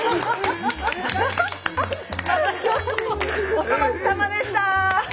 お粗末さまでした！